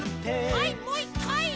はいもう１かい！